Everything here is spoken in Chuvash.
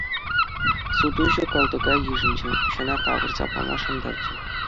Сутуҫӑ кӑлтӑка йышӑнчӗ, укҫана тавӑрса пама шантарчӗ.